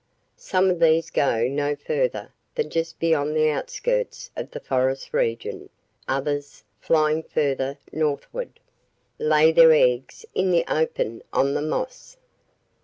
Some of these go no further than just beyond the outskirts of the forest region; others, flying further northward, lay their eggs in the open on the moss.